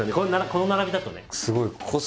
この並びだとね。